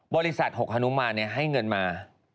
บริษัทหกฮนุมานเนี่ยให้เงินมา